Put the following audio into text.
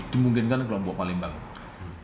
dimungkinkan kelompok paling bangun